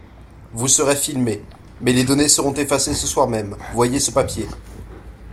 Vous serez filmée. Mais les données seront effacées ce soir même, voyez ce papier